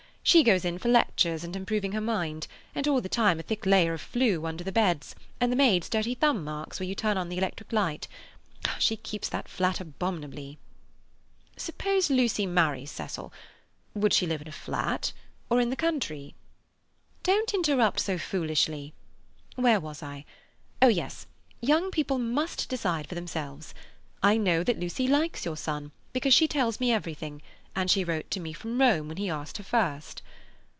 She goes in for lectures and improving her mind, and all the time a thick layer of flue under the beds, and the maid's dirty thumb marks where you turn on the electric light. She keeps that flat abominably—" "Suppose Lucy marries Cecil, would she live in a flat, or in the country?" "Don't interrupt so foolishly. Where was I? Oh yes—'Young people must decide for themselves. I know that Lucy likes your son, because she tells me everything, and she wrote to me from Rome when he asked her first.